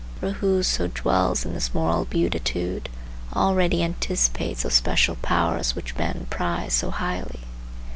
For whoso dwells in this moral beatitude already anticipates those special powers which men prize so highly.